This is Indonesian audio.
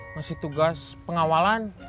masih tugas pengawalan